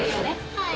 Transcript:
はい。